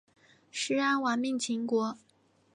士鞅亡命秦国。